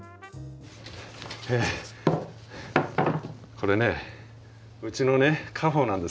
これねうちのね家宝なんですけどね